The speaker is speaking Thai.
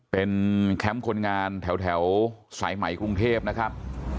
เป็นแคมป์คนงานแถวสายใหม่กรุงเทพนะครับ